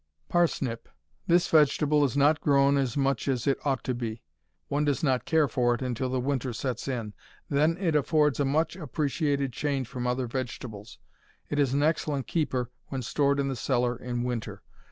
Parsnip This vegetable is not grown as much as it ought to be. One does not care for it until winter sets in. Then it affords a much appreciated change from other vegetables. It is an excellent keeper when stored in the cellar in winter.